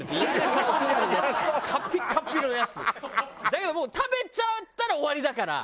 だけどもう食べちゃったら終わりだから。